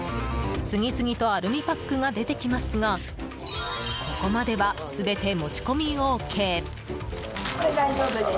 次々とアルミパックが出てきますがここまでは、全て持ち込みＯＫ。